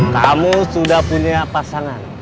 kamu sudah punya pasangan